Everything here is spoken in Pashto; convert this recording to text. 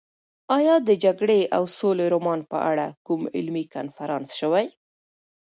ایا د جګړې او سولې رومان په اړه کوم علمي کنفرانس شوی؟